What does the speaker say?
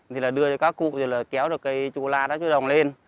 thì là đưa cho các cụ kéo được cây chu la đá chu đồng lên